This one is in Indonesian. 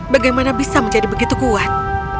bagaimana bisa menjadi begitu kuat